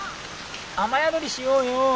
雨宿りしようよ」。